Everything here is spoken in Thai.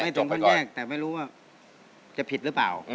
ไม่ถึงท่อนแยกแต่ไม่รู้ว่าจะผิดหรือเปล่า